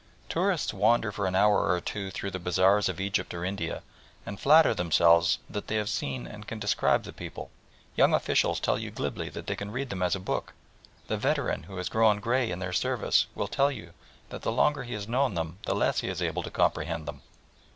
Tourists wander for an hour or two through the bazaars of Egypt or India and flatter themselves that they have seen and can describe the people: young officials tell you glibly that they can read them as a book: the veteran who has grown grey in their service will tell you that the longer he has known them the less is he able to comprehend them.